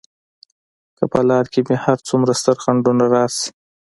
که په لار کې مې هر څومره ستر خنډونه راشي.